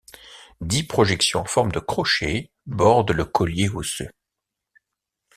Dix projections en forme de crochet bordent le collier osseux.